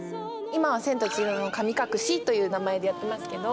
今は『千と千尋の神隠し』という名前でやってますけど。